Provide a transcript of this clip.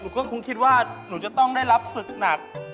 ก็คงคิดว่าหนูจะต้องได้รับศึกหนัก